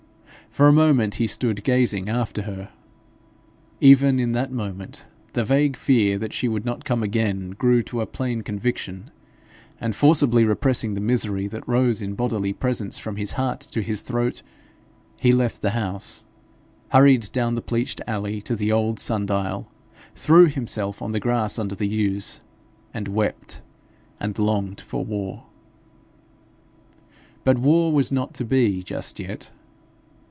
For a moment he stood gazing after her. Even in that moment, the vague fear that she would not come again grew to a plain conviction, and forcibly repressing the misery that rose in bodily presence from his heart to his throat, he left the house, hurried down the pleached alley to the old sun dial, threw himself on the grass under the yews, and wept and longed for war. But war was not to be just yet.